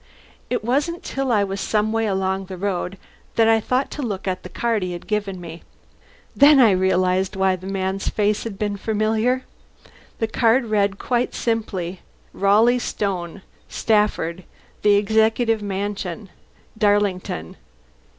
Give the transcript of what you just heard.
It wasn't till I was some way along the road that I thought of looking at the card he had given me. Then I realized why the man's face had been familiar. The card read quite simply: RALEIGH STONE STAFFORD The Executive Mansion, Darlington.